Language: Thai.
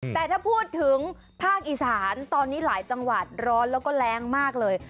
แต่ถ้าพูดถึงภาคอีสานตอนนี้หลายจังหวัดร้อนแล้วก็แรงมากเลย